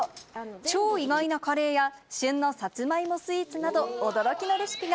超意外なカレーや、旬のサツマイモスイーツなど、驚きのレシピが。